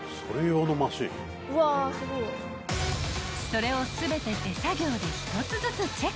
［それを全て手作業で１つずつチェック］